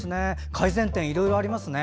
改善点、いろいろありますね。